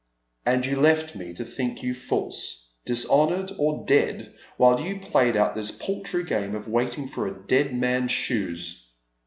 " And you left me to think you false, dishonoured, or dead while you played out this paltry game of waiting for a deaA man's shoes."